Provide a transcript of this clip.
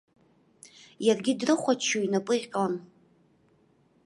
Иаргьы дрыхәаччо инапы иҟьон.